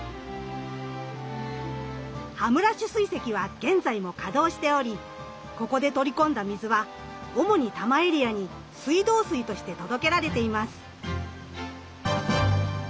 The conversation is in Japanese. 羽村取水堰は現在も稼働しておりここで取り込んだ水は主に多摩エリアに水道水として届けられています。